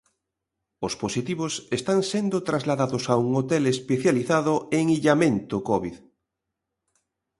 Os positivos están sendo trasladados a un hotel especializado en illamento covid.